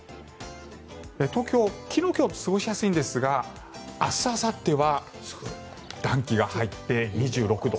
東京、昨日今日と過ごしやすいんですが明日あさっては暖気が入って２６度。